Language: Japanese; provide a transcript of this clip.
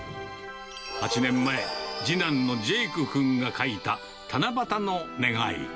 ８年前、次男のジェイク君が書いた七夕の願い。